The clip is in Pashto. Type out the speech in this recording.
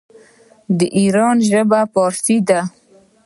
د ایران ژبې فارسي ده.